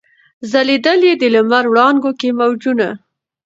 ځلېدل یې د لمر وړانګو کي موجونه